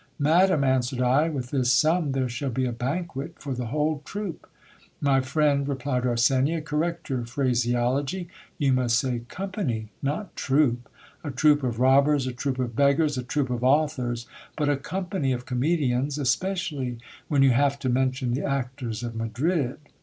Madam, answered I, with this sum there shall be a banquet for the whole troop. My friend, replied Arsenia, correct your phraseology ; you must say company, not troop. A troop of rob bers, a troop of beggars, a troop of authors ; but a company of comedians, especially when you have to mention the actors of Madrid.